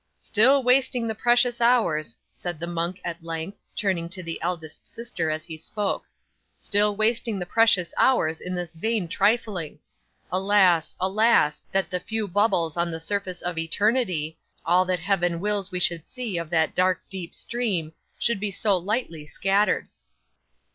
'"Still wasting the precious hours," said the monk at length, turning to the eldest sister as he spoke, "still wasting the precious hours on this vain trifling. Alas, alas! that the few bubbles on the surface of eternity all that Heaven wills we should see of that dark deep stream should be so lightly scattered!"